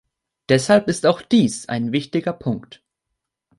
Deshalb ist auch dies ein wichtiger Punkt.